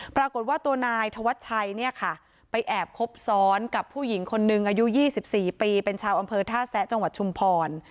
ปรากฏว่าตัวนายธวัชชัยเนี่ยค่ะไปแอบคบซ้อนกับผู้หญิงคนนึงอายุ๒๔ปีเป็นชาวอำเภอท่าแซะจังหวัดชุมพร